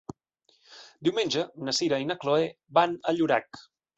Diumenge na Sira i na Chloé van a Llorac.